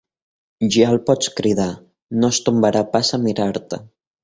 Ja el pots cridar: no es tombarà pas a mirar-te.